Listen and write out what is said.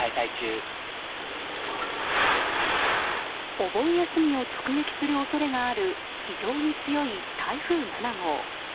お盆休みを直撃する恐れのある非常に強い台風７号。